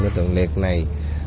đối tượng liệt này